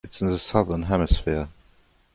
It's in the southern hemisphere.